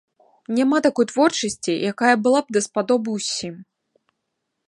Няма такой творчасці, якая была б даспадобы ўсім.